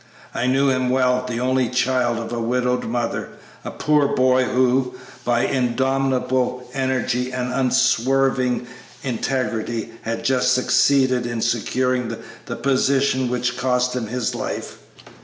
I knew him well; the only child of a widowed mother; a poor boy who, by indomitable energy and unswerving integrity, had just succeeded in securing the position which cost him his life.